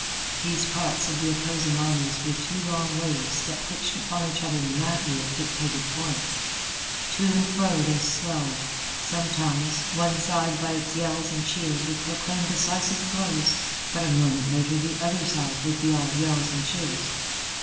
These parts of the opposing armies were two long waves that pitched upon each other madly at dictated points. To and fro they swelled. Sometimes, one side by its yells and cheers would proclaim decisive blows, but a moment later the other side would be all yells and cheers.